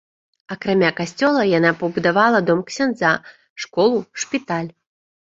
Акрамя касцёла яна пабудавала дом ксяндза, школу, шпіталь.